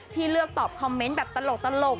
เลือกตอบคอมเมนต์แบบตลก